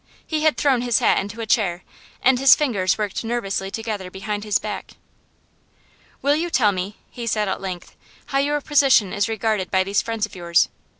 He had thrown his hat into a chair, and his fingers worked nervously together behind his back. 'Will you tell me,' he said at length, 'how your position is regarded by these friends of yours?